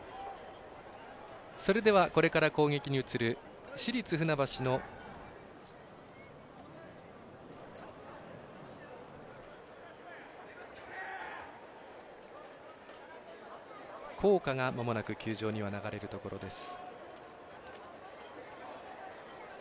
それでは、これから攻撃に移る市立船橋の校歌がまもなく球場には流れるところです。